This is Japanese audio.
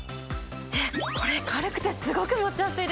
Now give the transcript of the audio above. えっこれ軽くてすごく持ちやすいです！